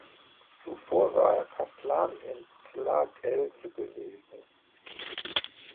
Zuvor war er Kaplan in Slagelse gewesen.